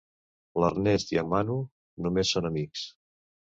L'Ernest i en Manu només són amics.